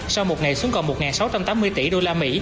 sau một ngày xuống còn một sáu trăm tám mươi tỷ usd